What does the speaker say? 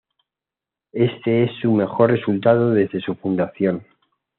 Este es su mejor resultado desde su fundación.